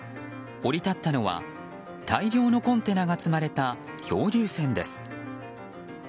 降り立ったのは大量のコンテナが積まれた漂流船です。